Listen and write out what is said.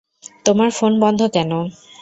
তোমার ফোন বন্ধ কেন?